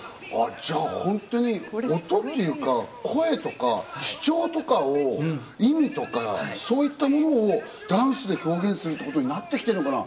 じゃあ、本当に音っていうか、声というか、主張とか、意味とかそういったものをダンスで表現するということになってきてるのかな。